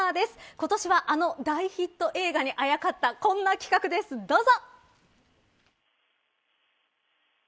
今年はあの大ヒット映画にあやかったこんな企画です、どうぞ。